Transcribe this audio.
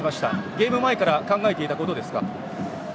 ゲーム前から考えていたことですか？